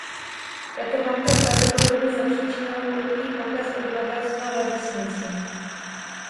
Tato válka pravděpodobně zapříčinila prudký pokles obyvatelstva ve vesnici.